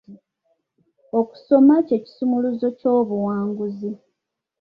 Okusoma kye kisumuluzo ky'obuwanguzi.